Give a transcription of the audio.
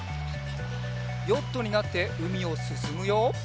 ヨットになってうみをすすむよ。